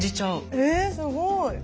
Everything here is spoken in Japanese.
えすごい。